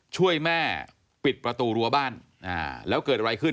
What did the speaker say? ช่วยแม่ปิดประตูรั้วบ้านแล้วเกิดอะไรขึ้น